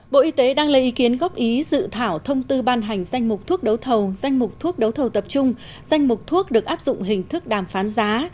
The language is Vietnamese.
bộ y tế đang lấy ý kiến góp ý dự thảo thông tư ban hành danh mục thuốc đấu thầu danh mục thuốc đấu thầu tập trung danh mục thuốc được áp dụng hình thức đàm phán giá